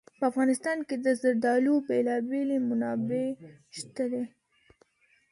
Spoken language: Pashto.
په افغانستان کې د زردالو بېلابېلې منابع شته دي.